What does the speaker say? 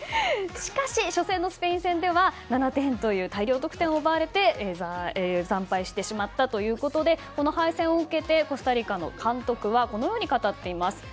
しかし、初戦のスペイン戦では７点という大量得点を奪われて惨敗してしまったということでこの敗戦を受けてコスタリカの監督はこのように語っています。